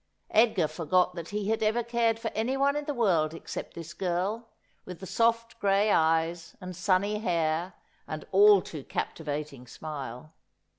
Edgar forgot that he had ever cared for anyone in the world except this girl, with the soft gray eyes and sunny hair, and all too captivating smile.